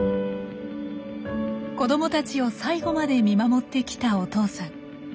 子どもたちを最後まで見守ってきたお父さん。